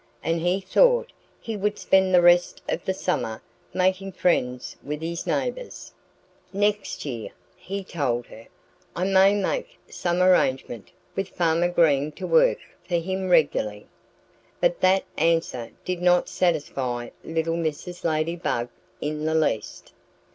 And he thought he would spend the rest of the summer making friends with his neighbors. "Next year," he told her, "I may make some arrangement with Farmer Green to work for him regularly." But that answer did not satisfy little Mrs. Ladybug in the least.